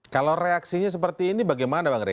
kalau reaksinya seperti ini bagaimana bang rey